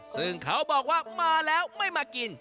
ซึ่งเขาบอกว่ามาแล้วไม่มากิน